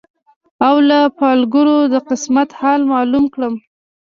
او له پالګرو د قسمت حال معلوم کړم